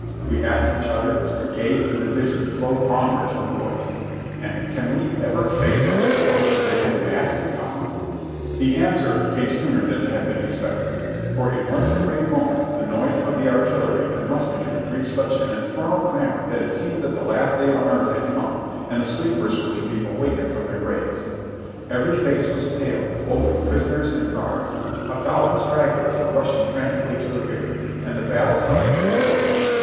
we asked each other as brigades and divisions flowed onward to the woods; and "Can we ever face such a force as they have massed in column ?" The answer came sooner than had been expected, for in one supreme moment the noise of the artillery and musketry reached such an infernal clamor that it seemed that the last day on earth had come and the sleepers were to be awakened from their graves. Every face was pale, both of prisoners and guards. A thousand stragglers were rushing frantically to the rear, and the battle's thunder came closer.